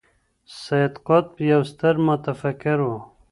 سید قطب یو ستر متفکر و.